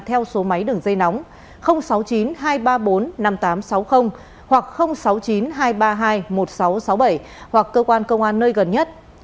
theo số máy đường dây nóng sáu mươi chín hai trăm ba mươi bốn năm nghìn tám trăm sáu mươi hoặc sáu mươi chín hai trăm ba mươi hai một nghìn sáu trăm sáu mươi bảy hoặc cơ quan công an nơi gần nhất